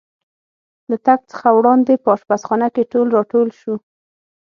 له تګ څخه وړاندې په اشپزخانه کې ټول را ټول شو.